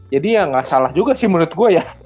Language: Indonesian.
jadi ya gak salah juga sih menurut gua ya